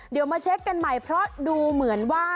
เดี๋ยวมาเช็คกันใหม่เพราะดูเหมือนว่า